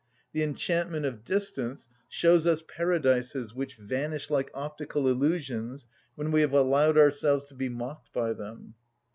The enchantment of distance shows us paradises which vanish like optical illusions when we have allowed ourselves to be mocked by them.